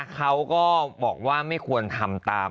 เขาก็บอกว่าไม่ควรทำตาม